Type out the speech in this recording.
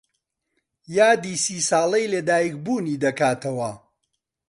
یادی سی ساڵەی لەدایکبوونی دەکاتەوە.